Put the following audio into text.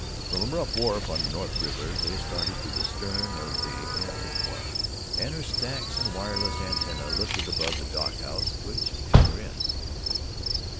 From a rough wharf on the North River they stared at the stern of the Aquitania and her stacks and wireless antennæ lifted above the dock house which shut her in.